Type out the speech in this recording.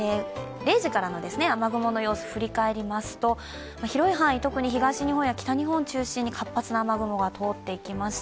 ０時からの雨雲の様子を振り返りますと、広い範囲特に東日本、北日本を中心に活発な雨雲が通っていきました。